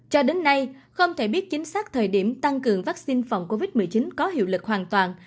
cho đến nay không thể biết chính xác thời điểm tăng cường vaccine phòng covid một mươi chín có hiệu lực hoàn toàn